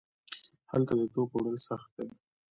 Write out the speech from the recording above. هلته د توکو وړل سخت دي.